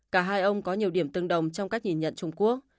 cả hai ông có nhiều điểm tương đồng trong cách nhìn nhận trung quốc